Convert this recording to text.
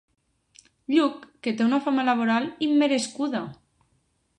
Lluc que té una fama laboral immerescuda.